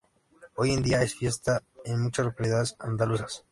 Hoy en día es fiesta en muchas localidades andaluzas.